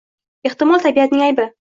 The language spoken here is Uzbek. Ehtimol tabiatning aybi